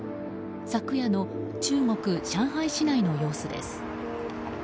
昨夜の中国・上海市内の様子です。